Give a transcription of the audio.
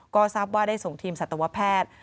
ก็ทราบว่าได้ส่งทีมสัตวแพทย์